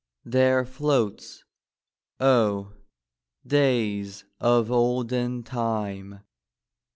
There floats—oh, days of olden time!